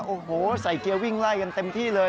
โอ้โหใส่เกียร์วิ่งไล่กันเต็มที่เลย